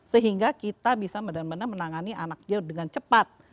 sehingga kita bisa benar benar menangani anaknya dengan cepat